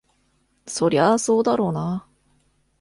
そりゃそうだろうな。